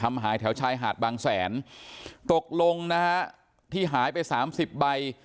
หายแถวชายหาดบางแสนตกลงนะฮะที่หายไปสามสิบใบ